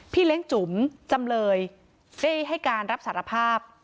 เลี้ยงจุ๋มจำเลยได้ให้การรับสารภาพ